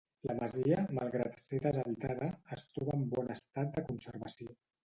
La masia, malgrat ser deshabitada, es troba en bon estat de conservació.